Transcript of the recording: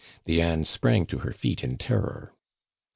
Diane sprang to her feet in terror.